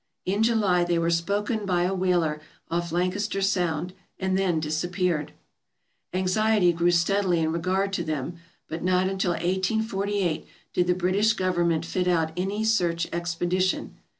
In July they were spoken by a whaler off Lancaster Sound, and then disappeared. Anxiety grew steadily in regard to them, but not until 1848 did the British government fit out any search expedition.